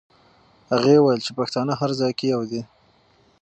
هغې وویل چې پښتانه هر ځای کې یو دي.